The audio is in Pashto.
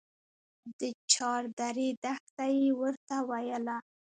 د چاردرې دښته يې ورته ويله.